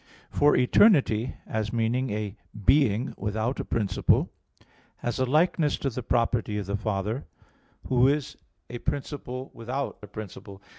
For "eternity" as meaning a "being" without a principle, has a likeness to the property of the Father, Who is "a principle without a principle."